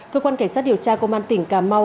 cơ quan cảnh sát điều tra công an tỉnh cà mau